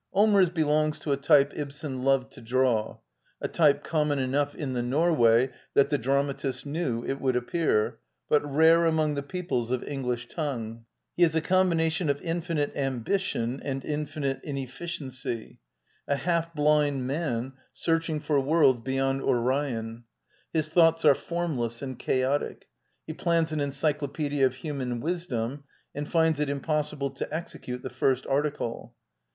Allmers belongs to a type Ibsen loved to draw — a type common enough in the Norway that the rv d by Google INTRODUCTION <^ dramatist knew, it would appear, but rare among the peoples of English tongue. He is a o ombin ation ^4 infimfP fltnhi'fi^n and infinite ln*^rt^^y —* half blind man searching for worlds beyond Orion. His thoughts are formless and chaotic; he plans an encyclopedia of human wisdom and finds it impos sible to execute the first article.